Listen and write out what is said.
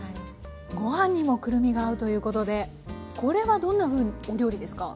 ご飯にもくるみが合うということでこれはどんなふうお料理ですか？